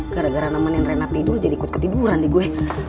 gara gara nemenin renat tidur jadi ikut ketiduran di gue